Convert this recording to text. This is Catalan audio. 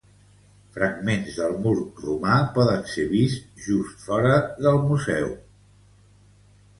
Fragments del mur romà poden ser vists just fora del museu.